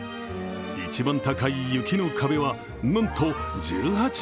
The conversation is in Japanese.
一番高い雪の壁は、なんと１８ｍ。